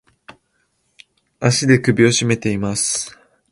足で首をしめています。